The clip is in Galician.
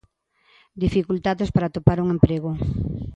Dificultades para atopar un emprego.